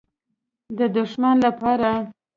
_د دښمن له پاره.